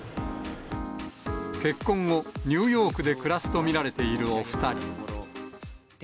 結婚後、ニューヨークで暮らすと見られているお２人。